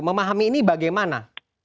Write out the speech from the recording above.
memahami ini bagaimana